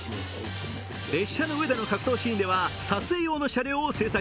列車の上での格闘シーンでは撮影用の車両を製作。